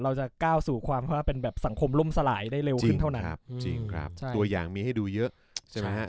เราจะก้าวสู่ความว่าเป็นแบบสังคมล่มสลายได้เร็วขึ้นเท่านั้นครับจริงครับตัวอย่างมีให้ดูเยอะใช่ไหมฮะ